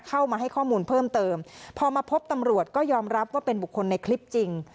เข้ามาให้ข้อมูลเพิ่มเติมพอมาพบตำรวจก็ยอมรับว่าเป็นบุคคลในคลิปจริง